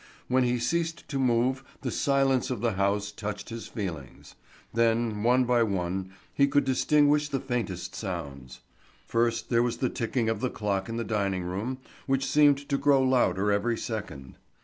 When he ceased to move the silence of the house touched his feelings; then, one by one, he could distinguish the faintest sounds. First there was the ticking of the clock in the dining room which seemed to grow louder every second.